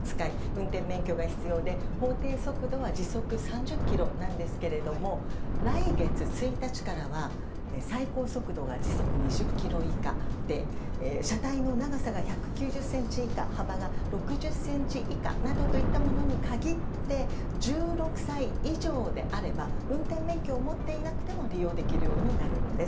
運転免許が必要で、法定速度は時速３０キロなんですが来月１日からは最高速度が時速２０キロ以下車体の長さが１９０ｃｍ以下幅が６０ｃｍ以下などといったものに限って１６歳以上であれば運転免許を持っていなくても利用できるようになるんです。